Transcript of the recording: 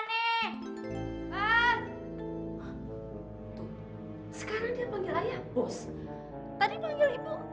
bos tadi panggil ibu